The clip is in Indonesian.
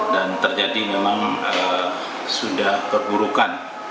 dan terjadi memang sudah perburukan